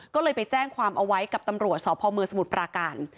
ก็เลยไปแจ้งความเอาไว้กับตำรวจสพมสมุทรปราการ